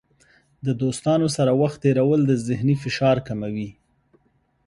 د دوستانو سره وخت تیرول د ذهني فشار کموي.